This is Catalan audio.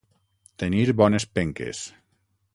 Tenir bones penques.